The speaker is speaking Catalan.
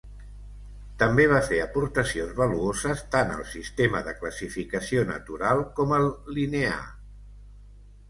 També va fer aportacions valuoses tant al sistema de classificació natural com al linneà.